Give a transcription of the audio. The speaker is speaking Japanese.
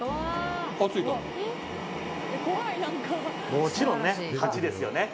もちろん、８ですよね。